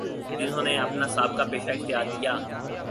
جنہوں نے اپنا سا بقہ پیشہ اختیارکیا